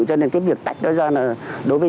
cho nên cái việc tách đó ra là đối với